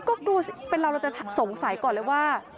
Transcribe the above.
ก็ดูเป็นเราเราจะสงสัยก่อนเลยว่า